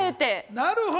なるほど。